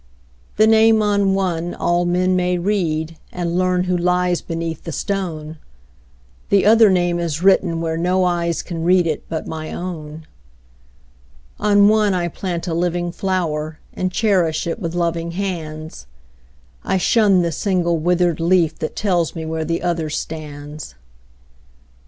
The name on one all men may read, And learn who lies beneath the stone; The other name is written whereNo eyes can read it but my own. On one I plant a living flower, And cherish it with loving hands;I shun the single withered leafThat tells me where the other stands.